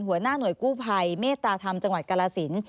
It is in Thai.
หัวหน้าหน่วยกู้ภัยเมตตาธรรมจังหวัดกรสิน